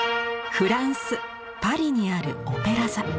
フランスパリにあるオペラ座。